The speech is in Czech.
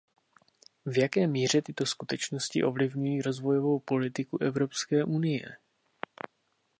V jaké míře tyto skutečnosti ovlivňují rozvojovou politiku Evropské unie?